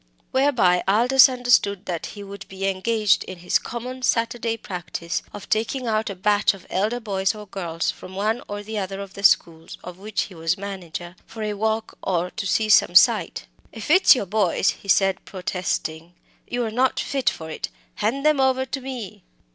Whereby Aldous understood that he would be engaged in his common Saturday practice of taking out a batch of elder boys or girls from one or other of the schools of which he was manager, for a walk or to see some sight. "If it's your boys," he said, protesting, "you're not fit for it. Hand them over to me."